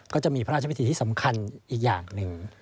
ก็จะมีพระราชพิธีที่สำคัญอีกอย่างหนึ่ง